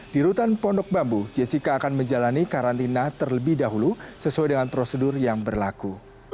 di rutan pondok bambu jessica akan menjalani karantina terlebih dahulu sesuai dengan prosedur yang berlaku